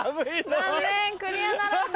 残念クリアならずです。